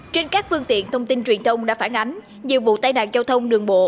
trên các phương tiện thông tin truyền thông đã phản ánh nhiều vụ tai nạn giao thông đường bộ